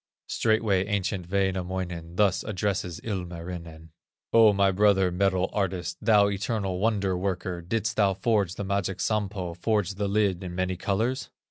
Straightway ancient Wainamoinen Thus addresses Ilmarinen: "O my brother, metal artist, Thou eternal wonder worker, Didst thou forge the magic Sampo, Forge the lid in many colors?"